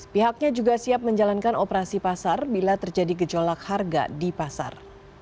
pihaknya juga siap menjalankan operasi pasar bila terjadi gejolak harga di pasar